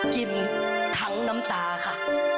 กินทั้งน้ำตาค่ะ